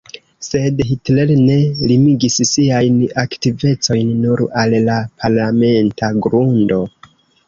Sed Hitler ne limigis siajn aktivecojn nur al la parlamenta grundo.